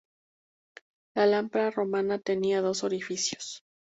La lámpara romana tenía dos orificios.